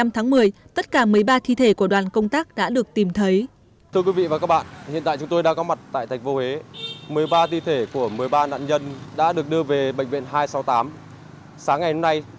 một mươi năm tháng một mươi tất cả một mươi ba thi thể của đoàn công tác đã được tìm thấy